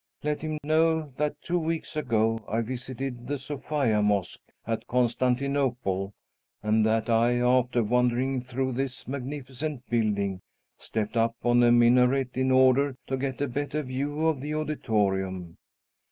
Let him know that two weeks ago I visited the Sophia Mosque at Constantinople, and that I, after wandering through this magnificent building, stepped up on a minaret in order to get a better view of the auditorium.